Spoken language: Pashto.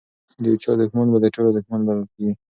د یو چا دښمن به د ټولو دښمن بلل کیږي.